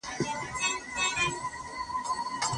د الله تعالی د قدرت نښي او علامې او مختلف عبرتونه سته.